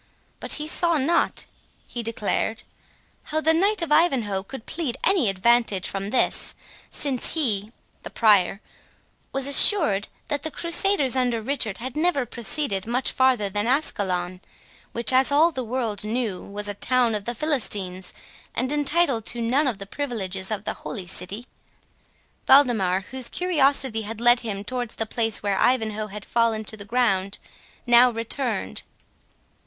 But he saw not," he declared, "how the Knight of Ivanhoe could plead any advantage from this, since he" (the Prior) "was assured that the crusaders, under Richard, had never proceeded much farther than Askalon, which, as all the world knew, was a town of the Philistines, and entitled to none of the privileges of the Holy City." Waldemar, whose curiosity had led him towards the place where Ivanhoe had fallen to the ground, now returned.